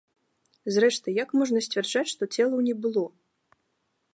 Зрэшты, як можна сцвярджаць, што целаў не было?